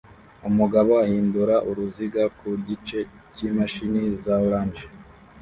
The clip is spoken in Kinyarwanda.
Umugabo ahindura uruziga ku gice cyimashini za orange